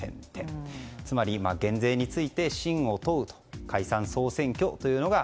つまり、減税について信を問うと解散・総選挙というのが